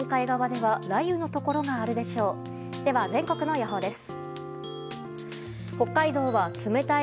では、全国の予報です。